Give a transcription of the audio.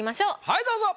はいどうぞ。